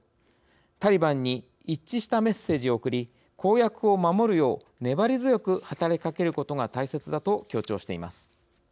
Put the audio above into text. タリバンに一致したメッセージを送り公約を守るよう粘り強く働きかけることが大切だ」と強調しています。